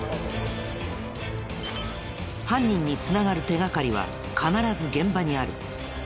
犯人に繋がる手がかりは必ず現場にある。